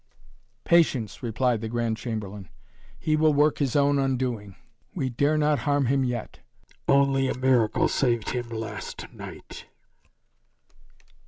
"Patience!" replied the Grand Chamberlain. "He will work his own undoing. We dare not harm him yet." "Only a miracle saved him last night."